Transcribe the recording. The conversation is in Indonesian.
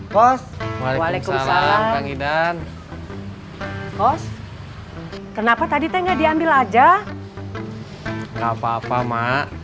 kos waalaikumsalam kang idan kos kenapa tadi teh nggak diambil aja nggak papa mak